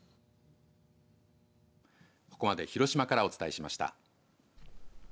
ここまで広島からお伝えしました。